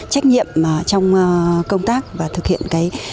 trách nhiệm trong công tác và thực hiện cái